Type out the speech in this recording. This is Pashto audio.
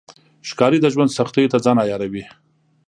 ښکاري د ژوند سختیو ته ځان عیاروي.